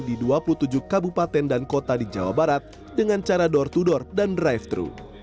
di dua puluh tujuh kabupaten dan kota di jawa barat dengan cara door to door dan drive thru